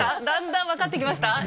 だんだん分かってきました？